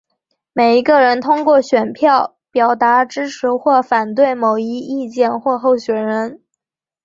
每一个人通过选票表达支持或反对某一意见或候选人。